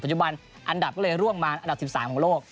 จุบันอันดับก็เลยร่วงมาอันดับ๑๓ของโลก